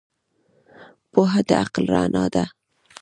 پوهه د عقل رڼا ده.